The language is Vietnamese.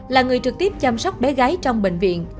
là người trực tiếp chăm sóc bé gái trong bệnh viện